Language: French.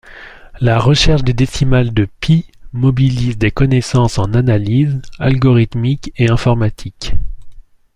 La recherche des décimales de π mobilise des connaissances en analyse, algorithmique et informatique.